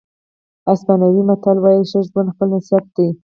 اسپانوي متل وایي ښه ژوند خپله نصیحت دی.